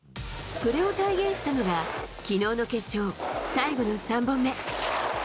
それを体現したのが、きのうの決勝、最後の３本目。